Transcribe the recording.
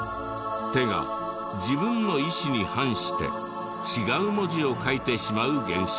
手が自分の意思に反して違う文字を書いてしまう現象。